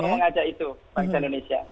mengajak itu bangsa indonesia